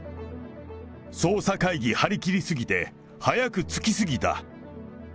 捜査会議張り切り過ぎて、早く着き過ぎた。